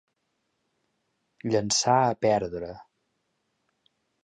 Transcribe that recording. Llançar a perdre.